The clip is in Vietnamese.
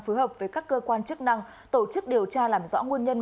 phối hợp với các cơ quan chức năng tổ chức điều tra làm rõ nguồn nhân